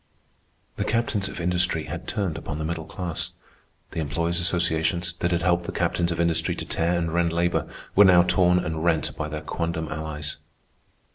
The captains of industry had turned upon the middle class. The employers' associations, that had helped the captains of industry to tear and rend labor, were now torn and rent by their quondam allies.